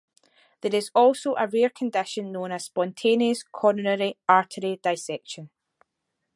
There is also a rare condition known as spontaneous coronary artery dissection.